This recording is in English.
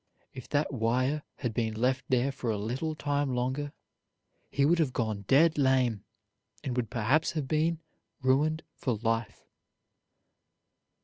If that wire had been left there for a little time longer he would have gone dead lame, and would perhaps have been ruined for life."